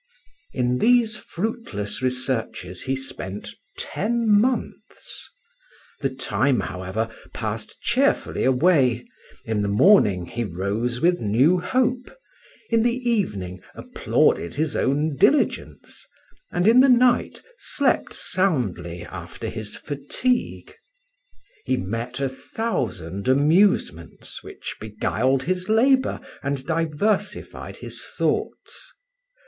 In these fruitless researches he spent ten months. The time, however, passed cheerfully away—in the morning he rose with new hope; in the evening applauded his own diligence; and in the night slept soundly after his fatigue. He met a thousand amusements, which beguiled his labour and diversified his thoughts.